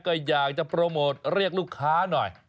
ก็อยากจะโปรโมทเรียกลูกค้าหน่อย